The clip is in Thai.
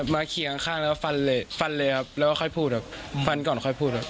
มาขี่ข้างแล้วฟันเลยครับแล้วค่อยพูดครับฟันก่อนค่อยพูด